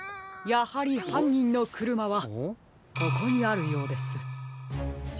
やはりはんにんのくるまはここにあるようです。